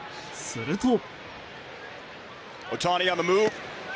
すると。